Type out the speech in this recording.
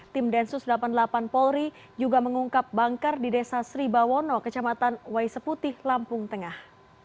tim densus delapan puluh delapan polri juga mengungkap bangker di desa sribawono kecamatan waiseputih lampung tengah